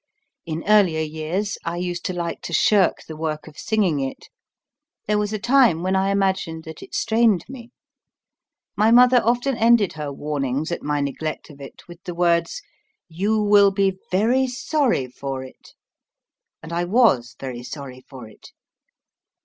In earlier years I used to like to shirk the work of singing it. There was a time when I imagined that it strained me. My mother often ended her warnings at my neglect of it with the words, "You will be very sorry for it !" And I was very sorry for it.